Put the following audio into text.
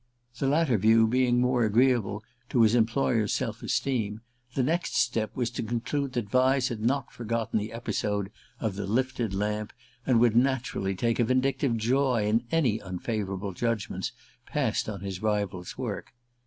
The latter view being more agreeable to his employer's self esteem, the next step was to conclude that Vyse had not forgotten the episode of "The Lifted Lamp," and would naturally take a vindictive joy in any unfavourable judgments passed on his rival's work.